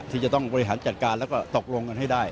ที่จะต้องบริหารจัดการแล้วก็ตกลงกันให้ได้